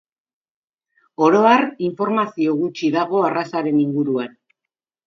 Oro har informazio gutxi dago arrazaren inguruan.